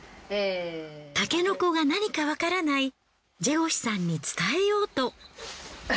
タケノコが何かわからないジェゴシュさんに伝えようと。